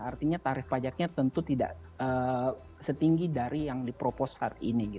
artinya tarif pajaknya tentu tidak setinggi dari yang diproposal